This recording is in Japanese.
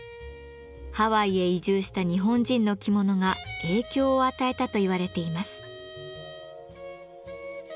ハワイへ移住した日本人の着物が影響を与えたと言われています。